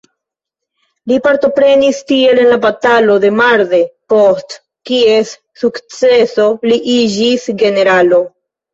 Li partoprenis tiel en la batalo de Marne, post kies sukceso, li iĝis generalo.